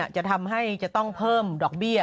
จะทำให้จะต้องเพิ่มดอกเบี้ย